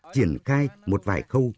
triển khai một vài khâu